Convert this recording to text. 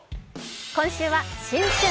今週は「新春！